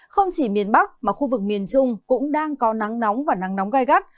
không chỉ miền bắc mà khu vực miền trung cũng đang có nắng nóng và nắng nóng gai gắt